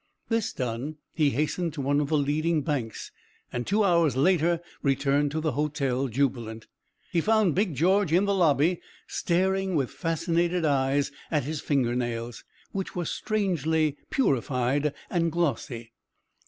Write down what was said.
This done, he hastened to one of the leading banks, and two hours later returned to the hotel, jubilant. He found Big George in the lobby staring with fascinated eyes at his finger nails, which were strangely purified and glossy.